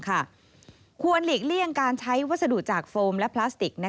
ควรหลีกเลี่ยงการใช้วัสดุจากโฟมและพลาสติก